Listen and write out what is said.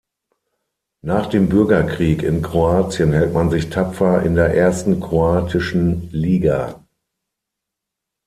Nach dem Bürgerkrieg in Kroatien hält man sich tapfer in der ersten kroatischen Liga.